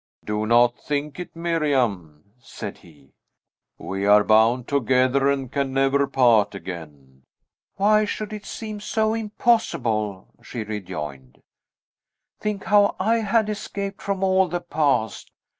"Do not think it, Miriam," said he; "we are bound together, and can never part again." "Why should it seem so impossible?" she rejoined. "Think how I had escaped from all the past!